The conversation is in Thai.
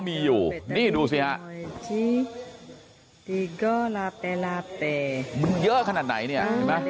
มันเยอะขนาดไหนเนี่ย